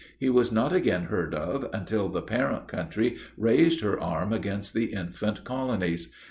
He was not again heard of, until the parent country raised her arm against the infant colonies.